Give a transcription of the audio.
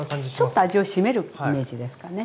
ちょっと味を締めるイメージですかね。